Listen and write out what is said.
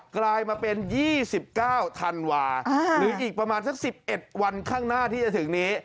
กลายมาเป็น๒๙ธันวาหรืออีกประมาณสัก๑๑วันข้างหน้าที่จะถึงนี้